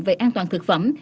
về an toàn thực phẩm